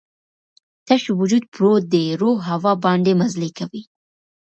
تش وجود پروت دی، روح هوا باندې مزلې کوي